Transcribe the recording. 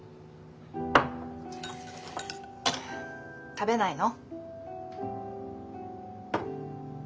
食べないの？